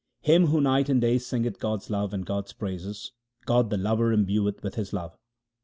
Him who night and day singeth God's love and God's praises, God the Lover imbueth with His love.